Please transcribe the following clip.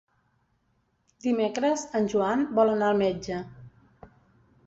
Dimecres en Joan vol anar al metge.